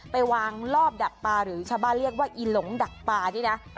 ไปวางรอบดักปลาหรือชาวบ้านเรียกว่าอีหลงดักปลานี่นะ